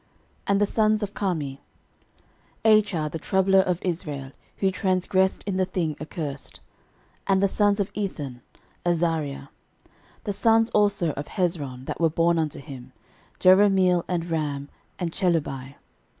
13:002:007 And the sons of Carmi; Achar, the troubler of Israel, who transgressed in the thing accursed. 13:002:008 And the sons of Ethan; Azariah. 13:002:009 The sons also of Hezron, that were born unto him; Jerahmeel, and Ram, and Chelubai.